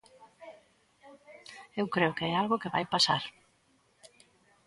Eu creo que é algo que vai pasar.